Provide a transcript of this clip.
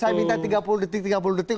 oke terakhir saya minta tiga puluh detik